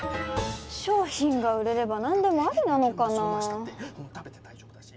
商品が売れれば何でもありなのかな？